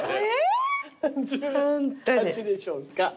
１８でしょうか？